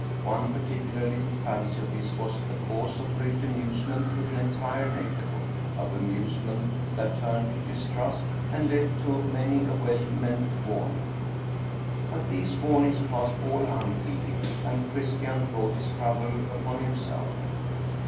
One particular little fancy of his was the cause of great amusement to the entire neighborhood, of amuse ment that turned to distrust and led to many a well meant warning. But these warnings passed all unheeded, and Christian brought his trouble upon himself.